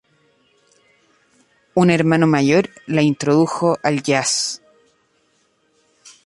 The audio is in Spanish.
Un hermano mayor la introdujo al jazz.